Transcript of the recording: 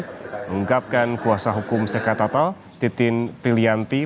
mengungkapkan kuasa hukum saka tatal titin prilianti